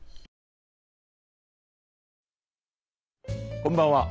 こんばんは。